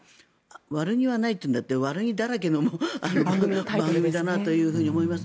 悪気はないといったって悪気だらけの番組だなと思います。